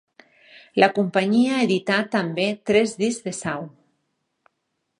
La companyia edità també tres discs de Sau.